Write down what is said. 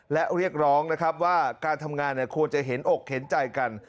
และเรียกร้องนะครับว่าการทำงานควรจะเห็นอกเห็นใจกัน